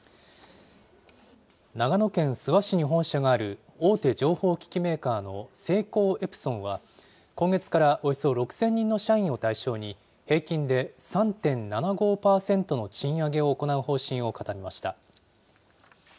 長野県諏訪市に本社がある大手情報機器メーカーのセイコーエプソンは、今月からおよそ６０００人の社員を対象に、平均で３．７５％の賃上げを行う方針を固めました。